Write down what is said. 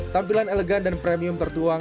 tampilan elegan dan premium tertuang